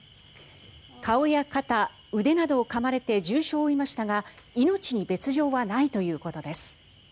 顔や肩、腕などをかまれて重傷を負いましたが命に別条はないということです。